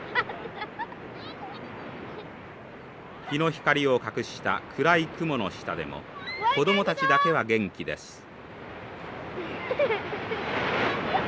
日の光を隠した暗い雲の下でも子どもたちだけは元気です。